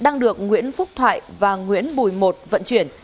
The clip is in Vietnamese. nguyễn phúc thoại và nguyễn bùi một vận chuyển